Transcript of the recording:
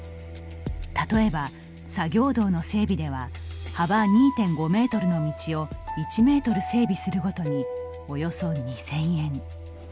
例えば、作業道の整備では幅２．５メートルの道を１メートル整備するごとにおよそ２０００円。